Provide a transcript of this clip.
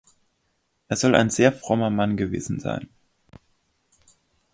Er soll ein sehr frommer Mann gewesen sein.